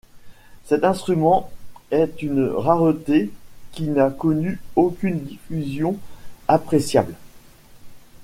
Cet instrument est une rareté qui n'a connu aucune diffusion appréciable.